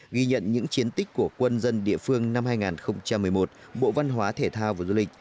ghi nhận những chiến tích của quân dân địa phương năm hai nghìn một mươi một bộ văn hóa thể thao và du lịch